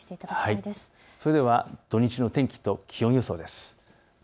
それでは土日の天気の予想です。